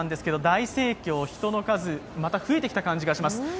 大盛況、人の数、また増えてきた感じがします。